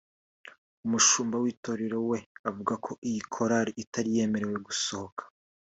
umushumba w’Itorero we avuga ko iyi Korali itari yemerewe gusohoka